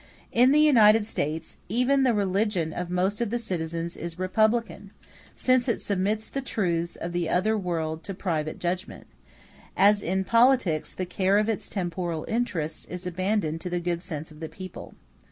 In the United States, even the religion of most of the citizens is republican, since it submits the truths of the other world to private judgment: as in politics the care of its temporal interests is abandoned to the good sense of the people.